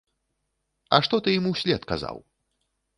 А што ты ім услед казаў?